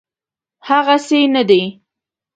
هغسي نه دی.